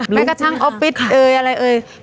แม้กระทั่งออฟฟิศเอ่ยอะไรเอ่ย